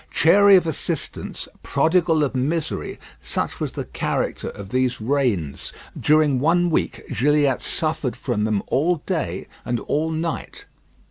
Chary of assistance, prodigal of misery such was the character of these rains. During one week Gilliatt suffered from them all day and all night.